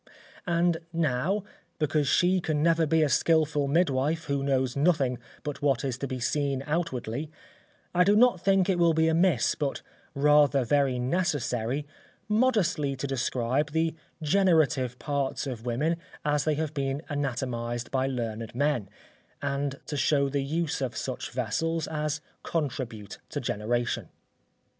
And now, because she can never be a skilful midwife who knows nothing but what is to be seen outwardly, I do not think it will be amiss but rather very necessary, modestly to describe the generative parts of women as they have been anatomised by learned men, and to show the use of such vessels as contribute to generation.